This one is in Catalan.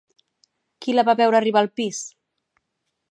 Qui la va veure arribar al pis?